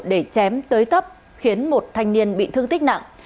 để chém tới tấp khiến một thanh niên bị thương tích nặng